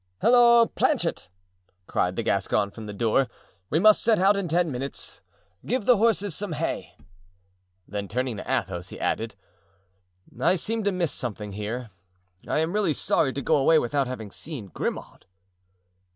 "Halloo, Planchet!" cried the Gascon from the door, "we must set out in ten minutes; give the horses some hay." Then turning to Athos he added: "I seem to miss something here. I am really sorry to go away without having seen Grimaud."